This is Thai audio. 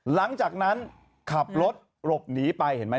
หลังจากนั้นขับรถหลบหนีไปเห็นไหม